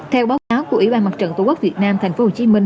theo báo cáo của ủy ban mặt trận tổ quốc việt nam tp hcm